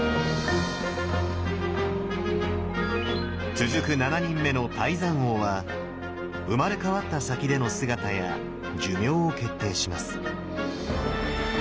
続く７人目の太山王は生まれ変わった先での姿や寿命を決定します。